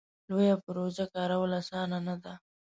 لویه پروژه کارول اسانه نه ده.